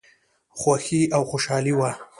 خوښي او خوشالي وه.